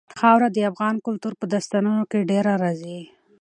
خاوره د افغان کلتور په داستانونو کې ډېره راځي.